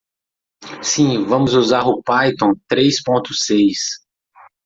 Sim, vamos usar o Python três pontos seis.